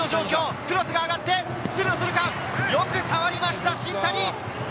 クロスが上がって、よく触りました、新谷！